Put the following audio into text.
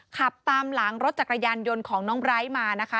ขับตามหลังรถจักรยานยนต์ของน้องไบร์ทมานะคะ